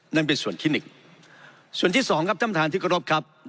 นั่นเป็นส่วนที่หนึ่งส่วนที่สองครับท่านประธานที่กรบครับ